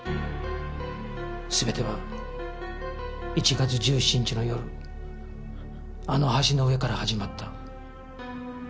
全ては１月１７日の夜あの橋の上から始まった。